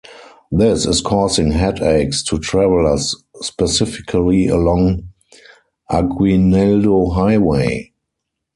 This is causing headaches to travelers specifically along Aguinaldo Highway.